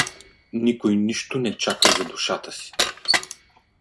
Никой нищо не чака за душата си.